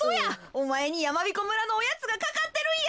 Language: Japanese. おまえにやまびこ村のおやつがかかってるんや。